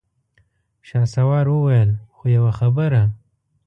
شهسوار وويل: خو يوه خبره!